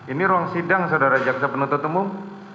ini ruang sidang saudara jaksa penuntut umum